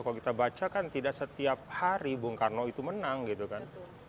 kalau kita baca kan tidak setiap hari bung karno itu menang gitu kan